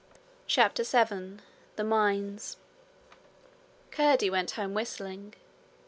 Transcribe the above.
CHAPTER 7 The Mines Curdie went home whistling.